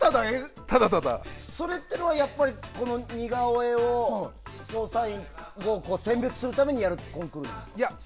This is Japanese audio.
それって、やっぱり似顔絵捜査員として選別するためにやるコンクールなんですか？